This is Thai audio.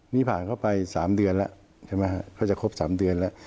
นี่ผ่านเข้าไป๓เดือนแล้วใช่ไหมฮะเขาจะครบ๓เดือนแล้ว